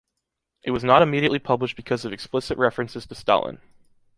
It was not immediately published because of explicit references to Stalin.